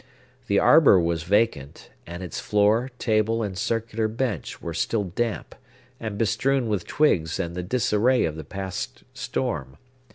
The arbor was vacant, and its floor, table, and circular bench were still damp, and bestrewn with twigs and the disarray of the past storm.